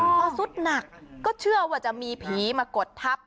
พอสุดหนักก็เชื่อว่าจะมีผีมากดทับ